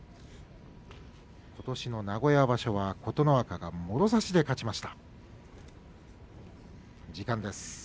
ことしの名古屋場所は琴ノ若がもろ差しで勝ちました。